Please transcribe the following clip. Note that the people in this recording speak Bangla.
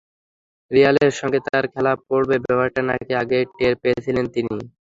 রিয়ালের সঙ্গে তাঁর খেলা পড়বে, ব্যাপারটা নাকি আগেই টের পেয়েছিলেন তিনি।